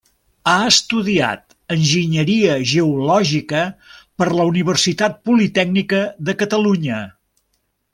Ha estudiat Enginyeria Geològica per la Universitat Politècnica de Catalunya.